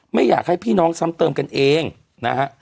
ไม่อยากให้พี่น้องซ้ำเติมกันเองนะฮะ